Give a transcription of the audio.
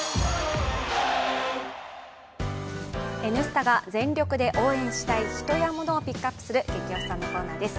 「Ｎスタ」が全力で応援したい人やモノをピックアップする「ゲキ推しさん」のコーナーです。